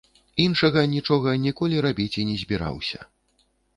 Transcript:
Іншага нічога ніколі рабіць і не збіраўся.